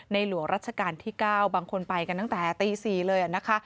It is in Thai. หลวงรัชกาลที่๙บางคนไปกันตั้งแต่ตี๔เลยนะคะ